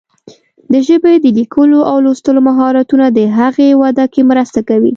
د ژبې د لیکلو او لوستلو مهارتونه د هغې وده کې مرسته کوي.